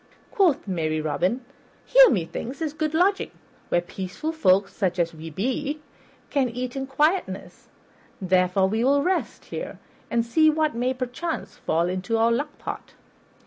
Quoth merry Robin, "Here, methinks, is good lodging, where peaceful folk, such as we be, can eat in quietness; therefore we will rest here, and see what may, perchance, fall into our luck pot."